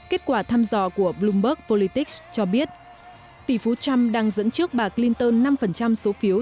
kết quả thăm dò của bloomberg polytics cho biết tỷ phú trump đang dẫn trước bà clinton năm số phiếu